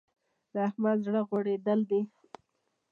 د احمد زړه غوړېدل دی.